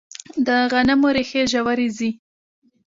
د غنمو ریښې ژورې ځي.